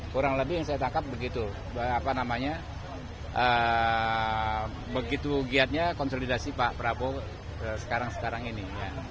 kurang lebih yang saya tangkap begitu giatnya konsolidasi pak prabowo sekarang sekarang ini